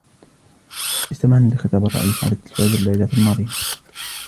استمعنا لخطاب الرئيس على التلفاز الليلة الماضية.